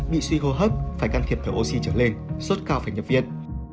bị suy hô hấp phải can thiệp thử oxy trở lên suốt cao phải nhập viện